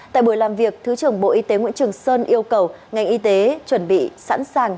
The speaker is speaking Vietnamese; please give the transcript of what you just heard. tại buổi làm việc thứ trưởng bộ y tế nguyễn trường sơn yêu cầu ngành y tế chuẩn bị sẵn sàng